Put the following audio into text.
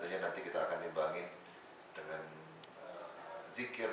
tentunya nanti kita akan imbangi dengan zikir